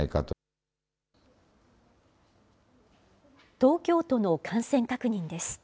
東京都の感染確認です。